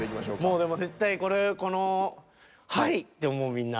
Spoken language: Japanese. もうでも絶対これこのはいって思うみんな。